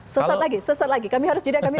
sesat lagi sesat lagi kami harus jadi agak